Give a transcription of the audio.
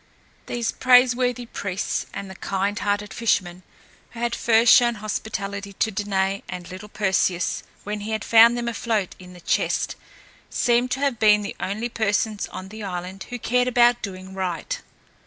These praiseworthy priests and the kind hearted fisherman, who had first shown hospitality to Danaë and little Perseus when he found them afloat in the chest, seem to have been the only persons on the island who cared about doing right.